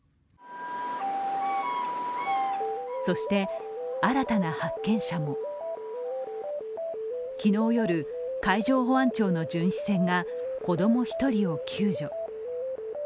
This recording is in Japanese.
そして、新たな発見者も昨日夜、海上保安庁の巡視船が子供１人を救助。